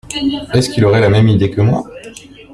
Est-ce qu’il aurait la même idée que moi ?